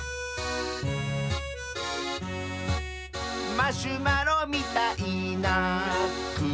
「マシュマロみたいなくものした」